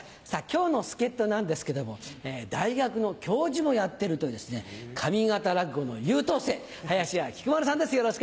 今日の助っ人なんですけども大学の教授もやってるという上方落語の優等生林家菊丸さんです。